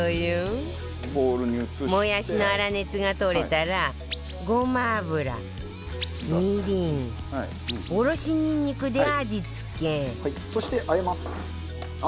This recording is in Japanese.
もやしの粗熱が取れたらごま油みりんおろしニンニクで味付けそして和えます。